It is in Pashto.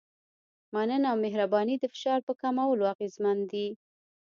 مننه او مهرباني د فشار په کمولو اغېزمن دي.